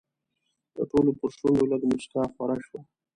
د ټولو پر شونډو لږه موسکا خوره شوه.